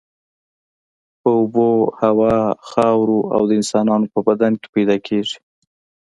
په اوبو، هوا، خاورو او د انسانانو په بدن کې پیدا کیږي.